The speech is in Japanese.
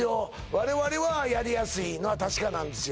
我々はやりやすいのは確かなんですよ